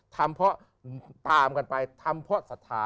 ทำเพราะสัทธา